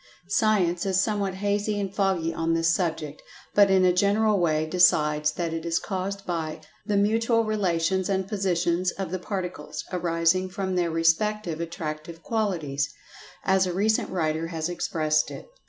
Science is somewhat hazy and foggy on this subject, but in a general way decides that it is caused by "the mutual relations and positions of the particles, arising from their respective attractive qualities," as a recent writer has expressed it.